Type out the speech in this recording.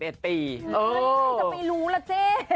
แล้วพี่ก็จะไม่รู้ล่ะเจ๊